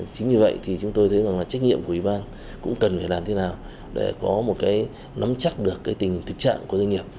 chính vì vậy thì chúng tôi thấy rằng là trách nhiệm của ủy ban cũng cần phải làm thế nào để có một cái nắm chắc được cái tình hình thực trạng của doanh nghiệp